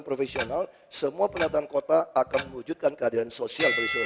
profesional semua penataan kota akan mewujudkan keadilan sosial bagi saya